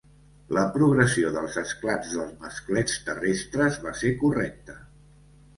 La progressió dels esclats dels masclets terrestres va ser correcta.